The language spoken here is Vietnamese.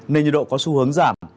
nên nhiệt độ có xu hướng giảm